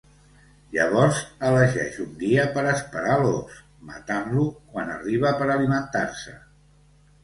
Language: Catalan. Llavors elegeix un dia per esperar l'ós, matant-lo quan arriba per alimentar-se.